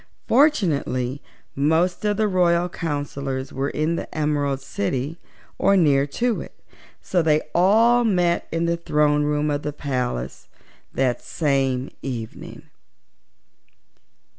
Fortunately most of the royal counsellors were in the Emerald City or near to it, so they all met in the throne room of the palace that same evening.